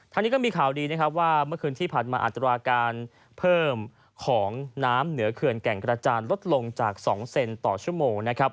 นี้ก็มีข่าวดีนะครับว่าเมื่อคืนที่ผ่านมาอัตราการเพิ่มของน้ำเหนือเขื่อนแก่งกระจานลดลงจาก๒เซนต่อชั่วโมงนะครับ